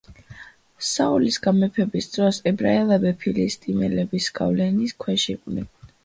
საულის გამეფების დროს ებრაელები ფილისტიმელების გავლენის ქვეშ იყვნენ.